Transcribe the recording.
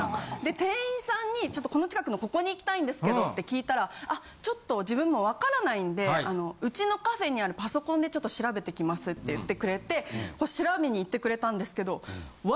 店員さんにこの近くのここに行きたいんですけどって聞いたら「ちょっと自分も分からないんでうちのカフェにあるパソコンでちょっと調べてきます」って言ってくれて調べに行ってくれたんですけど。